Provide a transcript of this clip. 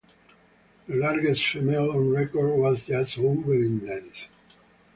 The largest female on record was just over in length.